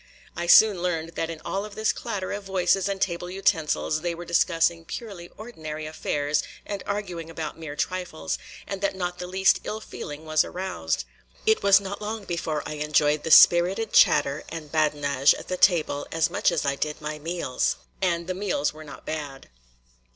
I soon learned that in all of this clatter of voices and table utensils they were discussing purely ordinary affairs and arguing about mere trifles, and that not the least ill feeling was aroused. It was not long before I enjoyed the spirited chatter and badinage at the table as much as I did my meals and the meals were not bad.